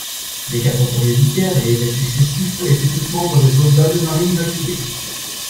Les quatre premiers vicaires et évêques successifs étaient tous membres des Oblats de Marie-Immaculée.